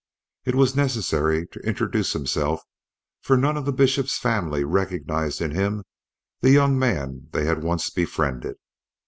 It was necessary to introduce himself for none of the Bishop's family recognized in him the young man they had once befriended.